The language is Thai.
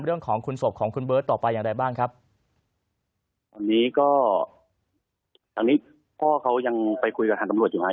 เรื่องของคุณศพของคุณเบิร์ตต่อไปอย่างไรบ้างครับตอนนี้ก็ทางนี้พ่อเขายังไปคุยกับทางตำรวจอยู่ไหม